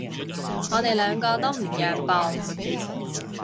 我哋兩個都唔讓步